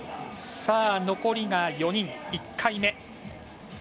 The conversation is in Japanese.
残りが４人、１回目。